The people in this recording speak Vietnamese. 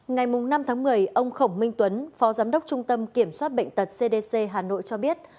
ngày năm tháng một mươi ông khổng minh tuấn phó giám đốc trung tâm kiểm soát bệnh tật cdc hà nội cho biết